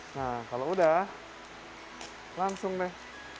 nah kalau udah langsung deh